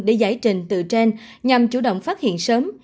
để giải trình tự gen nhằm chủ động phát hiện sớm